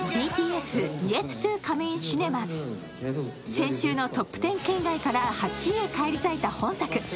先週のトップ１０圏外から８位へ返り咲いた今作。